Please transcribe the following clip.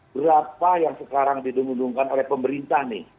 berapa yang sekarang didungudungkan oleh pemerintah nih